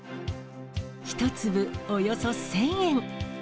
１粒およそ１０００円。